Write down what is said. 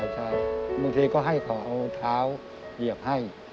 ใช่บางทีก็ให้เขาเอาเท้าเหยียบให้